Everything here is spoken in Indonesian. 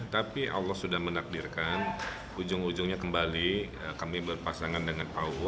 tapi allah sudah menakdirkan ujung ujungnya kembali kami berpasangan dengan pak uu